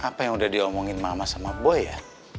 apa yang udah diomongin mama sama boy ya